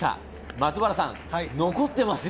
松原さん、残っていますよ。